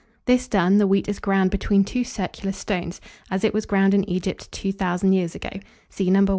This done, the wheat is ground between two circular stones, as it was ground in Egypt 2,000 years ago (see No.